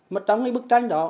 mà trong cái bức tranh đó